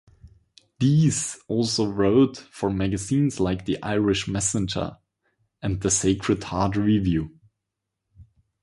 Dease also wrote for magazines like the "Irish Messenger" and "The Sacred Heart Review".